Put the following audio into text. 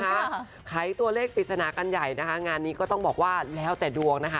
ใครที่ตัวเลขปริศนาการใหญ่การหน้านี้ต้องบอกว่าแล้วแต่ดวง